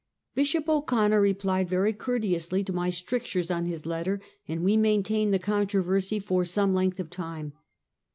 Bishop O'Conner replied very courteously to my strictures on his letter, and we maintained the contro versy for some length of time.